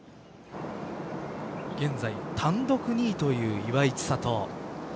現在単独２位という岩井千怜。